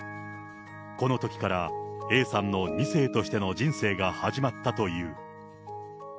このときからＡさんの２世としての人生が始まったという。